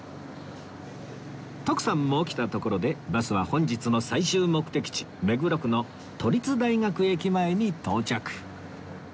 徳さんも起きたところでバスは本日の最終目的地目黒区の都立大学駅前に到着